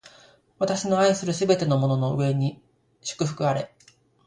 私の愛するすべてのものの上に祝福あれ！